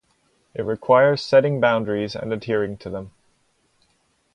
It requires setting boundaries and adhering to them.